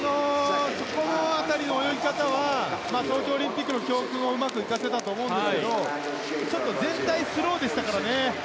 その辺りの泳ぎ方は東京オリンピックの教訓をうまく生かせたと思うんですけどちょっと全体がスローでしたからね。